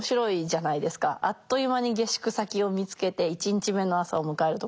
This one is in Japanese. あっという間に下宿先を見つけて１日目の朝を迎えるところ。